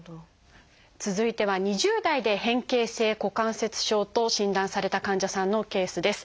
続いては２０代で変形性股関節症と診断された患者さんのケースです。